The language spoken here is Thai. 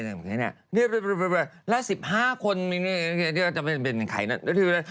หละ๑๕คนมีใคร